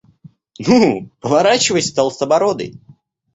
Ну, поворачивайся, толстобородый!